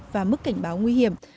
và mức cảnh báo nguy hiểm